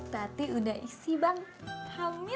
tadi udah isi bang hamil